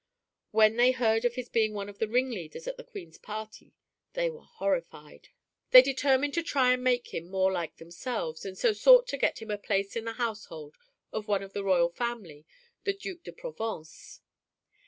When they heard of his being one of the ringleaders at the Queen's party, they were horrified. They determined to try and make him more like themselves, and so sought to get him a place in the household of one of the royal family, the Duc de Provence.